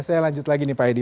saya lanjut lagi nih pak edi